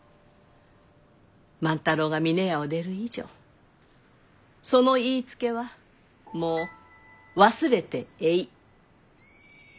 万太郎が峰屋を出る以上その言いつけはもう忘れてえい。